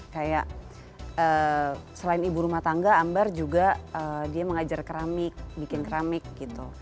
kayak selain ibu rumah tangga ambar juga dia mengajar keramik bikin keramik gitu